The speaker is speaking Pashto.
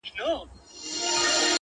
گوره زما گراني زما د ژوند شاعري;